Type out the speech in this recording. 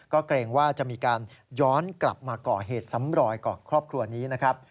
ก็เกรงว่าจะมีการย้อนกลับมาก่อเหตุซ้ำรอยกับครอบครัวนี้นะครับ